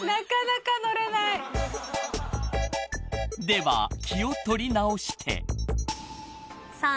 ［では気を取り直して］